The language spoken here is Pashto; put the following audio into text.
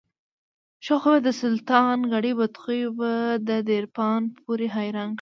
ښه خوى به دسلطان کړي، بدخوى به دپرځان پورې حيران کړي.